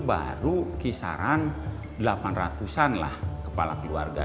baru kisaran delapan ratus an lah kepala keluarga